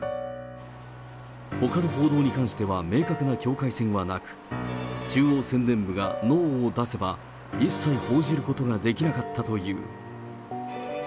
ほかの報道に関しては明確な境界線はなく、中央宣伝部がノーを出せば、一切報じることができなかったという。